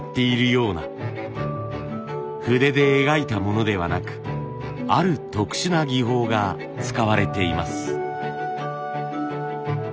筆で描いたものではなくある特殊な技法が使われています。